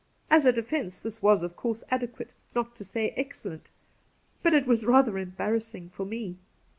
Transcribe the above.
As a defence this was, of course, adequate — not to say excellent ; but it was rather embarrassing for Biie.